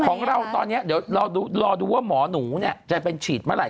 ของเราตอนนี้เดี๋ยวรอดูว่าหมอหนูเนี่ยจะเป็นฉีดเมื่อไห